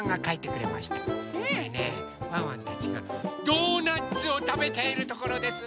これねワンワンたちがドーナツをたべているところです！